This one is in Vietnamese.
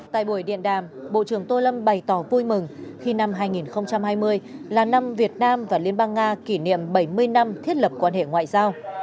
tại buổi điện đàm bộ trưởng tô lâm bày tỏ vui mừng khi năm hai nghìn hai mươi là năm việt nam và liên bang nga kỷ niệm bảy mươi năm thiết lập quan hệ ngoại giao